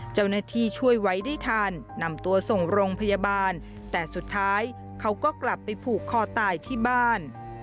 เจ้าหน้าที่ช่วยไว้ได้ทันนำตัวส่งโรงพยาบาลแต่สุดท้ายเขาก็กลับไปผูกคอตายที่บ้าน